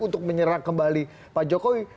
untuk menyerang kembali pak jokowi